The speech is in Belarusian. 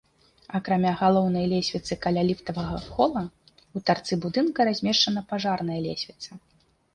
Акрамя галоўнай лесвіцы каля ліфтавага хола ў тарцы будынка размешчана пажарная лесвіца.